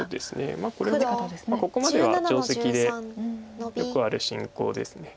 これはここまでは定石でよくある進行です。